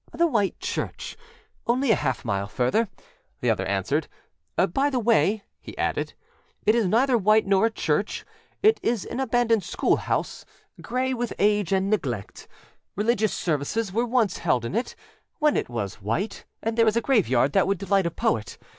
âThe White Church? Only a half mile farther,â the other answered. âBy the way,â he added, âit is neither white nor a church; it is an abandoned schoolhouse, gray with age and neglect. Religious services were once held in itâwhen it was white, and there is a graveyard that would delight a poet.